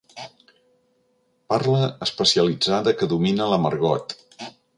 Parla especialitzada que domina la Margot.